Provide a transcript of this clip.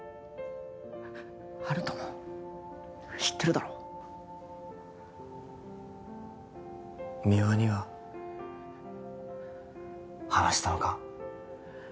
温人も知ってるだろ三輪には話したのか？